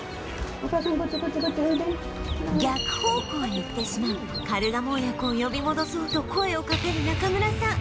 逆方向へ行ってしまうカルガモ親子を呼び戻そうと声をかける中村さん